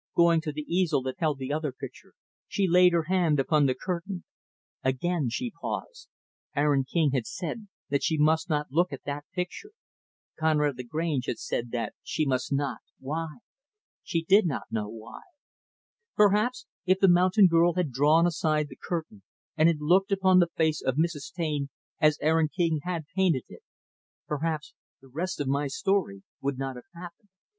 Going to the easel that held the other picture, she laid her hand upon the curtain. Again, she paused. Aaron King had said that she must not look at that picture Conrad Lagrange had said that she must not why? She did not know why. Perhaps if the mountain girl had drawn aside the curtain and had looked upon the face of Mrs. Taine as Aaron King had painted it perhaps the rest of my story would not have happened.